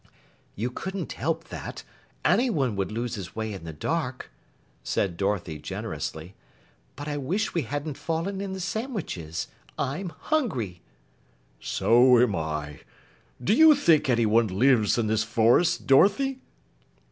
"You couldn't help that; anyone would lose his way in the dark," said Dorothy generously. "But I wish we hadn't fallen in the sandwiches. I'm hungry!" "So am I. Do you think anyone lives in this forest, Dorothy?"